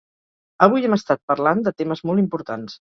Avui hem estat parlant de temes molt importants.